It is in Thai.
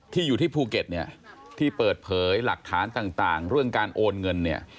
อยู่ที่ภูเก็ตเนี่ยที่เปิดเผยหลักฐานต่างเรื่องการโอนเงินเนี่ย